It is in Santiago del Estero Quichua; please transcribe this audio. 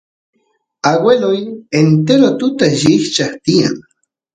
agueloy entero tutata llikchas tiyan